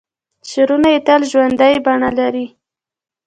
شعرونه یې تل ژوندۍ بڼه لري.